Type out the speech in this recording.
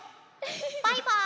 バイバーイ！